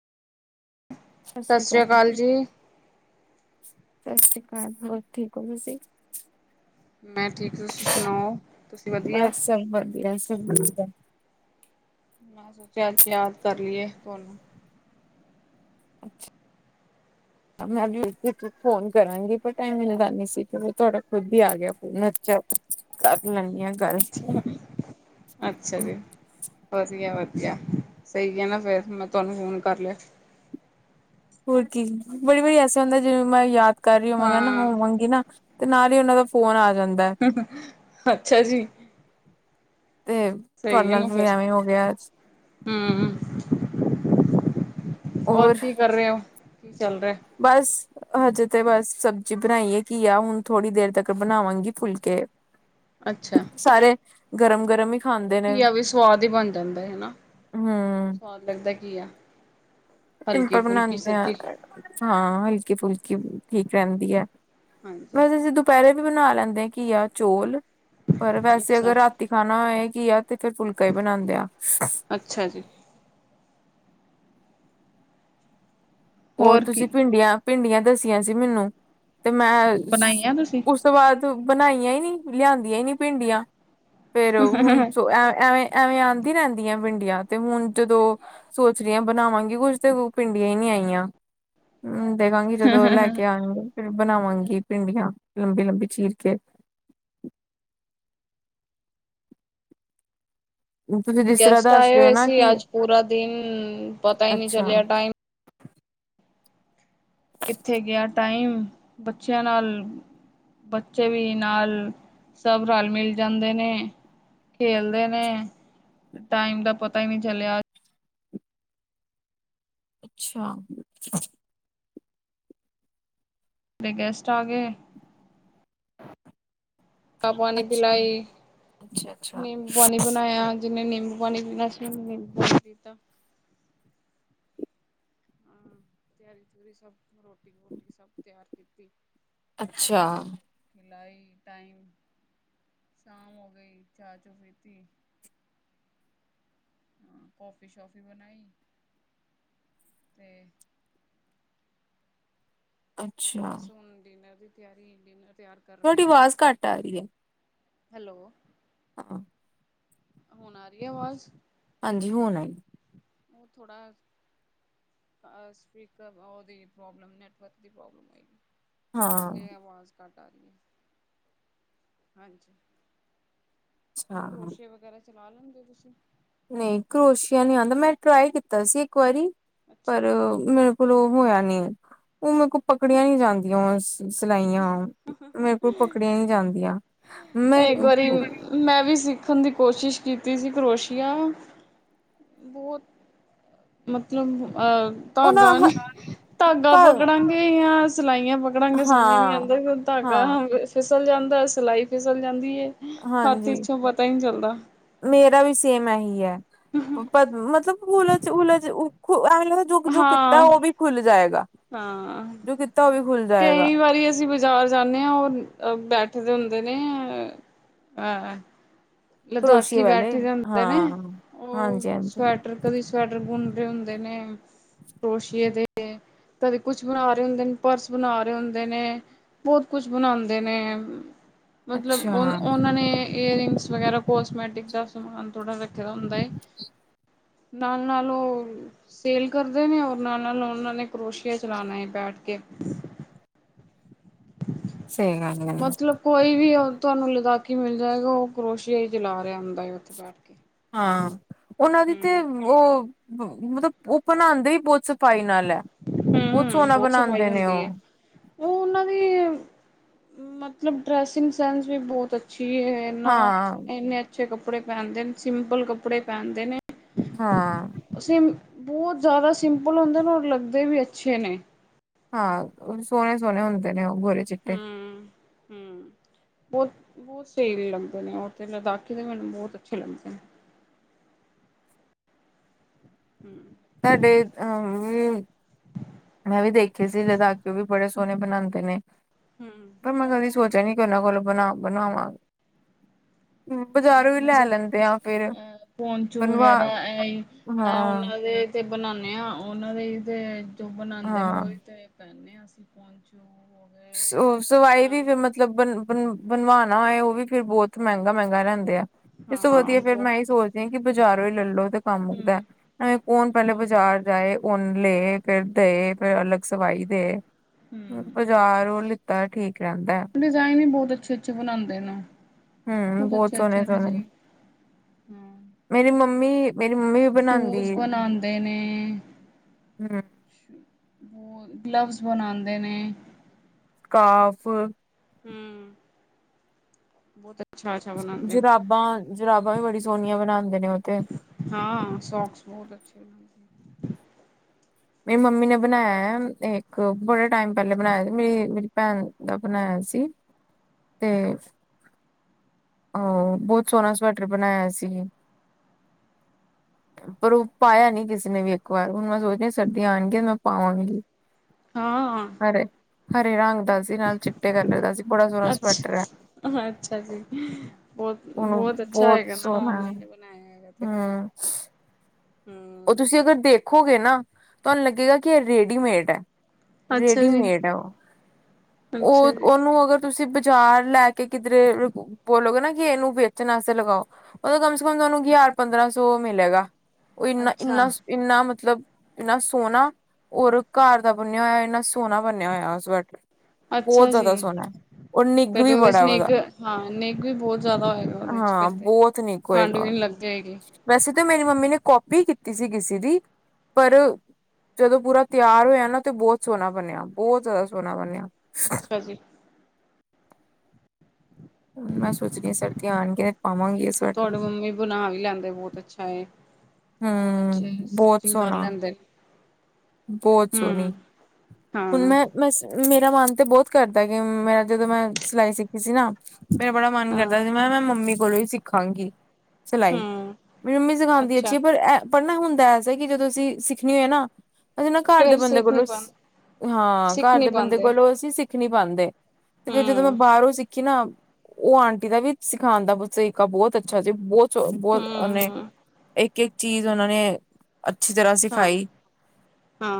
ਸਤਿ ਸ੍ਰੀ ਅਕਾਲ ਜੀ। ਸਤਿ ਸ੍ਰੀ ਕਾਲ, ਹੋਰ ਠੀਕ ਓ ਤੁਸੀ? ਮੈਂ ਠੀਕ। ਤੁਸੀਂ ਸੁਣਾਓ, ਤੁਸੀਂ ਵਧੀਆ? ਬਸ ਸਭ ਵਧੀਆ ਸਭ ਵਧੀਆ। ਮੈਂ ਸੋਚਿਆ ਅੱਜ ਯਾਦ ਕਰ ਲੀਏ ਤੁਆਨੂੰ। ਅੱਛਾ, [unintelligible] ਮੈਂ ਫੋਨ ਕਰਾਂਗੀ ਪਰ ਟਾਈਮ ਈ ਲੱਗ ਰਿਆ ਸੀ, ਕਿ ਤੁਹਾਡਾ ਖੁਦ ਹੀ ਆ ਗਿਆ ਫੌਨ ਚਾ [unintelligible] ਅੱਛਾ ਜੀ ਵਧੀਆ ਵਧੀਆ। ਈਆ ਸਹੀ ਐ ਨਾ ਫੇਰ ਮੈਂ ਤੁਆਨੂੰ ਫੋਨ ਕਰ ਲਿਆ। ਹੋਰ ਕੀ ਬੜੀ ਵਾਰੀ ਐਸੇ ਹੁੰਦਾ ਐ, ਜਿਵੇ ਮੈਂ ਯਾਦ ਕਰ ਰਹੀ ਹੋਵਾਂਗਾ ਨਾ ਹਾਂ ਹੋਵਾਂਗੀ ਨਾ ਤੇ ਨਾਲ ਈ ਉਹਨਾ ਦਾ ਫੋਨ ਆ ਜ ਅੱਛਾ ਜੀ। ਤੇ ਤੁਹਾਡੇ ਸਹੀ ਹੈ ਨਾਲ ਨਾ ਵੀ ਫਿਰ ਐਵੇਂ ਹੋ ਗਿਆ ਅੱਜ। ਹਮ। ਹੋਰ ਕੀ ਕਰ ਰਹੇ ਓ। ਬਸ। ਹਜੇ ਤੇ ਬਸ ਸਬਜ਼ੀ ਬਣਾਈ ਏ, ਘੀਆ। ਹੁਣ ਥੋੜੀ ਦੇਰ ਤੱਕ ਬਣਾਵਾਂਗੀ ਫੁਲਕੇ। ਅੱਛਾ। ਸਾਰੇ ਗਰਮ ਗਰਮ ਈ ਘੀਆ ਵੀ ਸਵਾਦ ਈ ਬਣ ਜਾਂਦਾ ਏ ਹਨਾ। ਹੂੰ ਸਵਾਦ ਲੱਗਦਾ ਐ ਘੀਆ। ਹਲਕੀ ਸਿੰਪਲ ਫੁਲਕੀ ਬਣਾਂਦੇ ਆ। ਸਬਜ਼ੀ ਅ-ਅ ਹਾਂ ਹਲਕੀ ਫੁਲਕੀ। ਕਿ ਠੀਕ ਰਹਿੰਦੀ ਐ। ਹਾਂਜੀ ਵੈਸੇ ਅਸੀਂ ਦੁਪਹਿਰੇ ਵੀ ਬਣਾ ਲੈਂਦੇ ਆ ਘੀਆ ਚੋਲ ਪਰ ਵੈਸੇ ਅੱਛਾ ਅਗਰ ਰਾਤੀ ਖਾਣਾ ਹੋਏ ਕੀ ਏ ਤੇ ਫੇਰ ਫੁਲਕਾ ਹੀ ਬਣਾਂਦੇ ਆ ਅੱਛਾ ਜੀ ਹੋਰ ਤੁਸੀਂ ਭਿੰਡੀਆਂ ਭਿੰਡੀਆਂ ਦੱਸੀਆਂ ਸੀ ਮੈਨੂੰ ਤੇ ਮੈਂ ਬਣਾਈ ਆ ਤੁਸੀਂ ਉਸ ਤੋਂ ਬਾਅਦ ਬਣਾਈਆਂ ਹੀ ਨੀ ਲਿਆਂਦੀਆਂ ਹੀ ਨੀ ਭਿੰਡੀਆਂ ਫੇਰ ਹੁਣ ਐਵੇਂ ਐਵੇਂ ਆਂਦੀ ਰਹਿੰਦੀਆਂ ਭਿੰਡੀਆਂ ਤੇ ਹੁਣ ਜਦੋਂ ਸੋਚ ਰਹੀ ਆ ਬਣਾਵਾਂਗੀ ਕੁੱਝ ਤੇ ਭਿੰਡੀਆਂ ਹੀ ਨਹੀਂ ਆਈਆਂ ਹਾਂ ਦੇਖਾਂਗੀ ਜਦੋਂ ਲੈ ਕੇ ਆਣਗੇ। ਫਿਰ ਬਣਾਵਾਂਗੀ ਭਿੰਡੀਆਂ ਲੰਬੀ ਲੰਬੀ ਚੀਰ ਕੇ ਤੁਸੀਂ ਜਿਸ ਤਰ੍ਹਾਂ ਗੈਸਟ ਦੱਸ ਆਏ ਰਹੇ ਹੋ ਹੋਏ ਨਾ ਸੀ ਕਿ ਅੱਜ ਪੂਰਾ ਦਿਨ ਪਤਾ ਹੀ ਨਹੀਂ ਅੱਛਾ ਚੱਲਿਆ ਟਾਈਮ ਕਿੱਥੇ ਗਿਆ ਟਾਈਮ ਬੱਚਿਆਂ ਨਾਲ ਬੱਚੇ ਵੀ ਨਾਲ ਸਭ ਰਲ ਮਿਲ ਜਾਂਦੇ ਨੇ ਖੇਲਦੇ ਨੇ ਟਾਈਮ ਦਾ ਪਤਾ ਹੀ ਨਹੀਂ ਚੱਲਿਆ। ਅੱਛਾ ਫਿਰ ਗੈਸਟ ਆ ਗਏ। ਚਾਹ ਪਾਣੀ ਅੱਛਾ ਪਿਲਾਈ ਅੱਛਾ ਅੱਛਾ ਨਿੰਬੂ ਪਾਣੀ ਬਣਾਇਆ ਜਿਹਨੇ ਨਿੰਬੂ ਪਾਣੀ [unintelligible] ਹਾਂ ਤਿਆਰੀ ਤਰੀ ਸਭ ਰੋਟੀ ਵੋਟੀ ਸਭ ਤਿਆਰ ਕੀਤੀ ਤੇ ਅੱਛਾ। ਲਾਈ ਟਾਈਮ ਸ਼ਾਮ ਹੋ ਗਈ ਚਾਹ ਚੂ ਪੀਤੀ ਕਾਫੀ ਸ਼ਾਫੀ ਬਣਾਈ ਤੇ ਅੱਛਾ ਬਸ ਹੁਣ ਡੀਨਰ ਦੀ ਤਿਆਰੀ ਡਿਨਰ ਤਿਆਰ ਕਰ ਰਹੇ ਤੁਹਾਡੀ ਹਾਂ। ਆਵਾਜ਼ ਘੱਟ ਆ ਰਹੀ ਆ ਹੈਲੋ ਆਹ ਹੁਣ ਆ ਰਹੀ ਹੈ ਆਵਾਜ਼ ਹਾਂਜੀ ਹੁਣ ਆਈ ਉਹ ਥੋੜਾ ਆ ਸਪਿਕਰ ਉਹ ਪ੍ਰੋਬਲਮ ਨੈਟਵਰਕ ਦੀ ਪ੍ਰੋਬਲਮ ਹੋਏਗੀ ਹਾਂ ਇਸ ਲਈ ਆਵਾਜ਼ ਘੱਟ ਆ ਦੀਆਂ ਹਾਂਜੀ ਅੱਛਾ ਕਰੋਸੀਏ ਵਗੈਰਾ ਚਲਾ ਲੈਂਦੇ ਤੁਸੀਂ [inaudible] ਨਹੀਂ ਕਰੋਸ਼ੀਆ ਨਹੀਂ ਆਉਂਦਾ ਮੈਂ ਟਰਾਈ ਕੀਤਾ ਸੀ ਇੱਕ ਵਾਰੀ ਅੱਛਾ। ਪਰ ਮੈ- ਲੋ ਹੋਇਆ ਨ ਉਹ ਮੇਰੇ ਕੋਲ ਪਕੜੀਆਂ ਨੀ ਜਾਂਦੀਆਂ- ਸਿਲਾਈਆਂ ਮੇਰੇ ਕੋਲ ਪਕੜੀਆਂ ਨਹੀਂੀ ਜਾਂਦੀਆਂ ਮੈਂ- ਦੇਖਣ ਦੀ ਕੋਸ਼ਿਸ਼ ਕੀਤੀ ਸੀ ਕਰੋਸ਼ੀਆ ਬਹੁਤ- ਮਤਲਬ- ਅ ਉਹ ਨਾ ਧਾਗਾ ਨਹੀਂੀ ਧਾਗਾ ਘਰ ਪਕੜਾਂਗੇ ਜਾਂ ਸਿਲਾਈਆਂ ਪਕੜਾਂਗੇ ਸਮਝ ਨਹੀਂੀ ਹਾਂ ਆਉਂਦਾ ਕਿ ਧਾਗਾ ਹਾਂ ਫਿਸਲ ਜਾਂਦਾ- ਦਾ ਸਿਲਾਈ ਫਿਸਲ ਜਾਂਦਾ- ਹਾਂਜੀ ਮੇਰਾ ਵੀ ਸੇਮ ਇਹੀ ਹੈ- ਮਤਲਬ- ੋ਼ [unintelligible] [unintelligible] ਜਿਹ ਦਾ ਜੋ ਜੋ ਕੀਤਾ ਹਾਂ ਉਹ ਵੀ ਖੁੱਲ ਜਾਏਗਾ- ਹਾਂ- ਜੋ ਕੀਤਾ ਉਹ ਵੀ ਖੁੱਲ ਜਾਏਗਾ- ਕਈ ਵਾਰੀ ਅਸੀਂ ਬਾਜ਼ਾਰ ਜਾਂਦੇ ਹਾਂ ਉਹ ਬੈਠੇਦੇ ਹੁੰਦੇ ਨੇ ਹਹ- ਕਰੋਸ਼ੀਏ ਲਦਾਖੀ ਵਾਲੇ ਬੈਠੇ ਜਾਂਦੇ ਨੇ ਹਾਂ ਉਹ ਹਾਂਜੀ ਹਾਂਜੀ ਸਵੈਟਰ ਕਦੀ- ਸਵੈਟਰ ਗੁਨ ਰਹੇ ਹੁੰਦੇ ਨੇ ਕਰੋਸ਼ੀਏ ਦੇ ਕਦੇ ਕੁਛ ਬਣਾ ਰਹੇ ਹੁੰਦੇ ਨੇ ਪਰਸ ਬਣਾ ਰਹੇ ਹੁੰਦੇ ਨੇ ਬਹੁਤ ਕੁਛ ਬਣਾਉਂਦੇ ਨੇ- ਅੱਛਾ ਮਤਲਬ ਉਹ ਉਹਨਾਂ ਨੇ ਈਅਰਰਿੰਗਸ- ਵਗੈਰਾ ਕੋਸਮੈਟਿਕ ਦਾ ਸਮਾਨ ਥੋੜ੍ਹਾ- ਥ ਤਾਂ ਹੁੰਦਾਏ- ਨਾਲ ਨਾਲ ਉਹ ਸੇਲ ਕਰਦੇ ਨੇ ਔਰ ਨਾਲ ਨਾਲ ਉਹਨਾਂ ਨੇ ਕਰੋਸ਼ੀਆ ਚਲਾਣਾ ਬੈਠ ਕੇ- ਸਹੀ ਗੱਲ ਹੈ ਮਤਲਬ ਕੋਈ ਵੀ- ਤੁਹਾਨੂੰ ਲਦਾਖੀ ਮਿਲ ਜਾਏਗਾ ਉਹ ਕਰੋਸ਼ੀਆ ਹੀ ਚਲਾ ਰਿਹਾ ਹੁੰਦਾ ਉੱਥੇ ਬੈਠ ਕੇ- ਹਾਂ- ਉਹਨਾਂ ਦੀ ਤੇ ਹੂੰ ਉਹ- ਮਤਲਬ ਉਹ ਬਣਾਉਂਦੇ ਵੀ ਬਹੁਤ ਸਫ਼ਾਈ ਨਾਲ- ਲੈ ਬਹੁਤ ਸੋਹਣਾ ਸਫਾਈ ਬਣਾਉਂਦੇ ਨੇ ਹੁੰਦੀ ਹੈ ਉਹ- ਉਹ ਉਹਨਾਂ ਦੀ ਮਤਲਬ ਡਰੈਸਿੰਗ ਸੈਂਸ ਵੀ ਬਹੁਤ ਅੱਛੀ- ਹਾਂ ਇੰਨੇ ਅੱਛੇ ਕੱਪੜੇ- ਕੱਪੜੇ ਪੈਂਦੇ ਨੇ ਸਿੰਪਲ ਕੱਪੜੇ ਪੈਂਦੇ ਨੇ- ਹਾਂ- ਸਿੰ ਬਹੁਤ ਜ਼ਿਆਦਾ ਸਿੰਪਲ ਹੁੰਦੇ ਨੇ ਔਰ ਲੱਗਦੇ ਵੀ ਅੱਛੇ ਨੇ- ਹਾਂ ਸੋਹਣੇ ਸੋਹਣੇ ਹੁੰਦੇ ਨੇ ਉਹ- ਗੋਰੇ ਚਿੱਟੇ ਹਮ- ਹਮ ਬਹੁਤ ਬਹੁਤ ਸਹੀ ਲੱਗਦੇ ਨੇ ਤੇ ਲਦਾਖੀ ਦੇ ਮੈਨੂੰ ਬਹੁਤ ਅੱਛੇ ਲੱਗਦੇ ਨੇ- ਹਮ ਸਾਡੇ ਅਹ ਵੀ ਮੈਂ ਵੀ ਦੇਖੇ ਸੀ ਲਦਾਖੀ ਵੀ ਬੜੇ ਸੋਹਣੇ ਬਣਾਉਂਦੇ ਨੇ ਹੂੰ ਪਰ ਮੈਂ ਕਦੀ ਸੋਚ ਸੈਨਿਕੋ ਨਗੋਲ ਬ ਬਣਵਾ [unintelligible] ਲੇਕਿਨ ਅਸੀਂ ਅਹ ਪੋਂਚੂ ਬਣਵਾ ਵਗੈਰਾ ਐ ਹਾਂ ਉਨਾਂ ਦੇ ਤੇ ਬਣਾਉਦੇ ਹਾਂ ਉਹਨਾਂ ਦੇ ਤੇ [unintelligible] ਜੋ ਬਣਾਉਦੇ ਨੇ ਉਹਹੀ ਹਾਂ ਤੇਰੇ ਪੈਂਦੇ [unintelligible] ਅਸੀਂ ਪੋਚੂ ਸਵਾਈ ਵੀ ਫੇਰ ਮਤਲਬ ਬਣ ਬਣ ਬਣਵਾਨ [unintelligible] ਉਹ ਵੀ ਫਿਰ ਬਹੁਤ ਮਹਿੰਗਾ ਮਹਿੰਗਾ ਰਹਿੰਦਾ। ਇਸ ਤੋਂ ਹਾਂ ਵਧੀਆ ਫੇਰ ਵੋ ਮੈਂ ਇਹੀ ਸੋਚਦੀ ਹਾਂ ਕਿ ਬਾਜ਼ਾਰੋਂ ਲੈ ਲੋ ਕੰਮ ਮੁੱਕਦਾ ਹੂੰ ਐਵੇਂ ਕੌਣ ਪਹਿਲੇ ਹੂੰ ਬਾਜ਼ਾਰ ਜਾਏ ਉਹ ਲਏ ਫਿਰ ਦੇਏ ਫੇਰ ਅਲੱਗ ਸਵਾਈ ਦੇ [unintelligible] ਜੋ ਲਿੱਤਾ ਠੀਕ। ਰਹਿੰਦਾ ਡਿਜ਼ਾਈਨ ਇ ਬਹੁਤ ਬ ਅੱਛੇ ਅੱਛੇ ਬਣਾਂਦੇ ਨਾ ਹਮ ਬਹੁਤ ਸੋਹਣੇ ਸੋਹਣੇ ਹਮ ਮੇਰੀ ਮੰਮੀ ਮੇਰੀ ਮੰਮੀ ਵੀ ਬਣਾਉਂਦੀ ਸ਼ੂਜ ਆ ਬਣਾਦੇ ਨੇ ਹਮ ਬ ਗਲਵਸ ਬਣਾਉਂਦੇ ਨੇ। ਕਾਫ [unintelligible] ਹਮ ਉ ਤੇ [unintelligible] ਜਰਾਬਾਂ ਜਰਾਬਾਂ ਵੀ ਬੜੀ ਸੋਹਣੀਆਂ ਬਣਾਉਂਦੇ ਨੇ ਓਹ ਤੇ ਹਾਂ ਸੋਕਸ ਬਹੁਤ ਅੱਛੇ ਬਣਾਦੇ ਮੇਰੀ ਮੰਮੀ ਨੇ ਬਣਾਇਆ। ਇੱਕ ਬੜਾ ਟਾਈਮ ਪਹਿਲੇ ਬਣਾਇਆ ਮੇਰੀ ਮੇਰੀ ਭੈਣ ਦਾ ਬਣਾਇਆ ਸੀ। ਤੇ ਅਹ ਬਹੁਤ ਸੋਹਣਾ ਸਵੈਟਰ ਬਣਾਇਆ ਸੀ। ਪਰ ਉਹ ਪਾਇਆ ਨੀ ਕਿਸੇ ਨੇ ਵੀ ਇੱਕ ਵਾਰ ਹੁਣ ਮੈਂ ਸੋਚਦੀ ਸਰਦੀਆਂ ਆਉਣਗੀਆਂ ਤੇ ਮੈਂ ਪਾਵਾਂਗੀ। ਹਾਂ ਹਰੇ ਹਰੇ ਰੰਗ ਦਾ ਸੀ ਨਾਲ ਚਿੱਟੇ ਕਲਰ ਦਾ ਸੀ ਬੜਾ ਸੋਹਣਾ ਸਵੈਟਰ ਹੈ। ਅੱਛਾ, ਅੱਛਾ ਜੀ। ਬਹੁਤ ਉਹਨੂੰ ਬਹੁਤ ਅੱਛਾ ਹੈਗਾ ਨਾ ਸੋਹਣਾ ਮੰਮੀ ਹੈ। ਨੇ ਬਣਾਇਆ ਹੈਗਾ। ਤੇ। ਹਮ ਉਹ ਹੂੰ। ਤੁਸੀਂ ਅਗਰ ਦੇਖੋਗੇ ਨਾ ਤੁਹਾਨੂੰ ਲੱਗੇਗਾ ਕਿ ਇਹ ਰੇਡੀਮੇਡ ਹੈ। ਅੱਛਾ ਜੀ, ਰੇਡੀਮੇਡ ਆ ਉਹ ਅੱਛਾ ਉਹ ਜੀ, ਉਹਨੂੰ ਅਗਰ ਤੁਸੀਂ ਚਾਰ ਲੈ ਕੇ ਕਿਧਰੇ ਬੋਲੋਗੇ ਨਾ ਕਿ ਇਹਨੂੰ ਵੇਚਣ ਵਾਸਤੇ ਲਗਾਓ। ਉਹ ਕਮ ਸੇ ਕਮ ਤੁਹਾਨੂੰ ਹਜਾਰ ਪੰਦਰਾਂ ਸੌ ਮਿਲੇਗਾ। [unintelligible] ਉਹ ਇੰਨਾ ਅੱਛਾ। ਇੰਨਾ ਇੰਨਾਮਤ। [inaudible] ਮਤਲਬ, ਇੰਨਾ ਸੋਹਨਾ ਹੋਰ ਘਾਰ ਦਾ ਬਣਿਆ ਹੋਇਆ, ਇੰਨਾ ਸੋਹਨਾ ਬਨਿਆ ਹੋਇਆ ਸਵੈਟਰ। ਬਹੁਤ ਅੱਛਾ ਜੀ, ਜ਼ਿਆਦਾ ਸੋਹਣਾ ਔਰ ਨਿੱਘ ਫਿਰ ਤੇ ਵੀ ਉਹਦੇ ਚ ਬੜਾ ਉਹਦਾ ਨਿੱਘ ਹਾਂ ਨਿੱਘ ਵੀ ਬਹੁਤ ਜ਼ਿਆਦਾ ਹੋਏਗਾ ਉਹਦੇ ਚ ਫਿਰ ਹਾਂ ਤੇ ਬਹੁਤ ਠੰਡ ਵੀ ਨਹੀਂ ਲੱਗੇਗੀ। ਤੇ ਮੇਰੀ ਮੰਮੀ ਨੇ ਕੋਫਤੇ। ਕਾਪੀ ਕੀਤੀ ਸੀ ਕਿਸੇ ਦੀ, ਪਰ ਜਦੋਂ ਪੂਰਾ ਤਿਆਰ ਹੋਇਆ ਨਾ ਤੇ, ਬਹੁਤ ਸੋਹਨਾ ਬਨਿਆ ਬਹੁਤ ਜ਼ਿਆਦਾ ਸੋਹਨਾ ਬਣਿਆ। ਅੱਛਾ ਜੀ। ਹੂੰ ਮੈਂ ਸੋਚਿਆ ਕਿ, ਸਰਦੀਆਂ ਆਣ ਕੇ ਪਾਵਾਂਗੀ ਇਹ ਸਵੈਟਰ। ਤੁਹਾਡੇ ਮੰਮੀ ਬਣਾ ਵੀ ਲੈਂਦੇ ਬਹੁਤ ਅੱਛਾ ਏ, ਬਹੁਤ ਅੱਛੇ ਹੂੰ, ਬਹੁਤ ਸਟਿਚਿੰਗ ਕਰ ਸੋਹਣਾ ਲੈਂਦੇ। ਬਹੁਤ ਸੋਹਣੀ, ਹੂੰ, ਹੁਣ ਹਾਂ, ਮੈਂ ਮੈਂ ਮ ਮੇਰਾ ਮਨ ਤੇ ਬਹੁਤ ਕਰਦਾ ਕਿ, ਮੈ ਜਦੋਂ ਮੈਂ ਸਿਲਾਈ ਸਿੱਖੀ ਸੀ ਨਾ ਮੇਰਾ ਬੜਾ ਮਨ ਹਾਂ, ਕਰਦਾ ਸੀ, ਮੈਂ ਨਾ ਮੰਮੀ। ਕੋਲੋਂ ਹੀ ਸਿੱਖਾਂਗੀ। ਸਿਲਾਈ, ਹੂੰ। ਮੇਰੀ ਮੰਮੀ ਸਿਖਾੰਦੀ ਅੱਛਾ, ਅੱਛੀ ਪਰ ਐ ਨਾ ਹੁਣ। ਬਸ ਹੈ ਕਿ ਜਦੋਂ ਅਸੀਂ ਸਿੱਖਣੀ ਹੋਏ ਨਾ। [inaudible] ਅਸੀਂ ਨਾ ਘਰ ਦੇ ਫੇਰ ਬੰਦੇ ਸਿੱਖ ਨੀ ਕੋਲੋਂ, ਪਾਂਦੇ, ਹਾਂ ਸਿੱਖ ਘਰ ਨੀ ਦੇ ਬੰਦੇ ਪਾਂਦੇ, ਕੋਲੋਂ ਅਸੀਂ ਸਿੱਖ ਸਿੱਖ ਨੀ ਪਾੰਦੇ? ਤੇ ਫੇਰ ਜਦੋਂ ਮੈਂ ਹੂੰ। ਬਾਹਰੋਂ ਸਿੱਖੀ ਨਾ ਉਹ ਆਂਟੀ ਦਾ ਵੀ ਸਿਖਾਨ ਦਾ ਤਰੀਕਾ ਬਹੁਤ ਅੱਛਾ ਸੀ, ਬਹੁਤ। ਚ ਬੋਲ ਇੱਕ। ਹੂੰ, [inaudible] ਇੱਕ- ਇੱਕ ਚੀਜ਼ ਉਹਨਾਂ ਨੇ। ਅੱਛੀ ਤਰ੍ਹਾਂ ਹਾਂ, ਸਿਖਾਈ। ਹਾਂ।